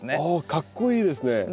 おかっこいいですね。